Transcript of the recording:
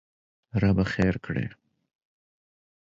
ربه خېر کړې!